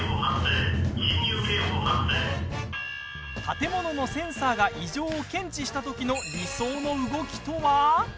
建物のセンサーが異常を検知したときの理想の動きとは？